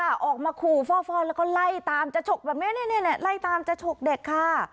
ออกมาขู่ฟ่อแล้วก็ไล่ตามจะฉกแบบนี้เนี่ยไล่ตามจะฉกเด็กค่ะ